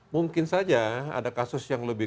mungkin saja ada kasus yang lebih